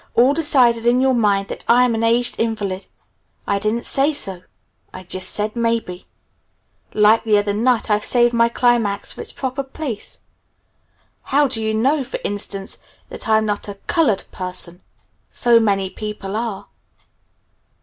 All decided in your mind that I am an aged invalid? I didn't say so. I just said 'maybe'. Likelier than not I've saved my climax for its proper place. How do you know, for instance, that I'm not a 'Cullud Pusson'? So many people are."